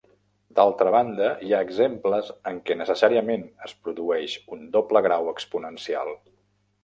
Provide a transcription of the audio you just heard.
D'altra banda, hi ha exemples en què necessàriament es produeix un doble grau exponencial.